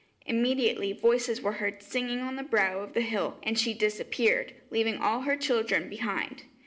Immediately voices were heard singing on the brow of the hill, and she disappeared, leaving all her children behind.